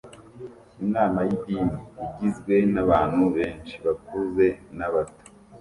Inama y'idini igizwe n'abantu benshi bakuze n'abato